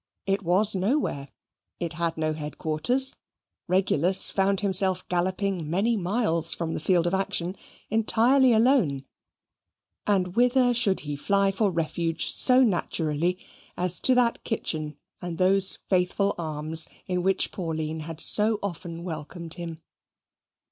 It was nowhere. It had no head quarters. Regulus found himself galloping many miles from the field of action, entirely alone; and whither should he fly for refuge so naturally as to that kitchen and those faithful arms in which Pauline had so often welcomed him?